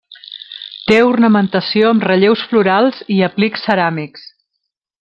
Té ornamentació amb relleus florals i aplics ceràmics.